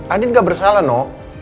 andin gak bersalah no